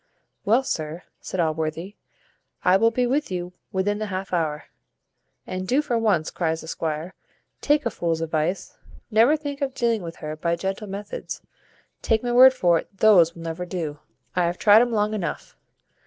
"Well, sir," said Allworthy, "I will be with you within the half hour." "And do for once," cries the squire, "take a fool's advice; never think of dealing with her by gentle methods, take my word for it those will never do. I have tried 'um long enough.